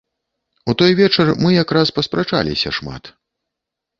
У той вечар мы як раз паспрачаліся шмат.